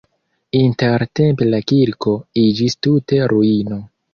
Intertempe la kirko iĝis tute ruino.